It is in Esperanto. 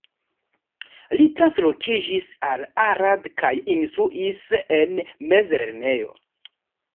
Li translokiĝis al Arad kaj instruis en mezlernejo.